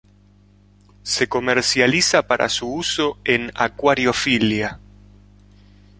Se comercializa para su uso en acuariofilia.